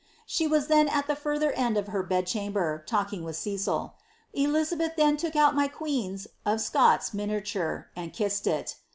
She then at the further end of her bed chamber, talking with Cecil. 3elh then took out my queen's (of Scots) miniature, and kissed it."